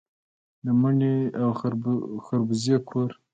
د مڼې او خربوزې کور.